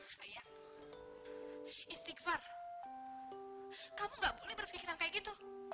kesana kemari di dalam angkut